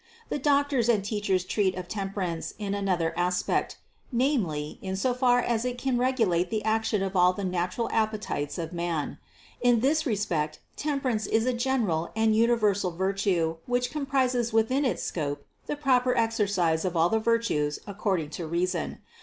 The doctors and teachers treat of tem perance in another aspect: namely in so far as it can regulate the action of all the natural appetites of man ; in this respect temperance is a general and universal vir tue which comprises within its scope the proper exercise of all the virtues according to reason.